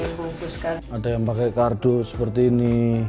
ada yang membuskan ada yang pakai kardus seperti ini